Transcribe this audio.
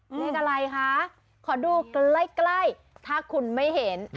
เลขอะไรคะขอดูใกล้ถ้าคุณไม่เห็น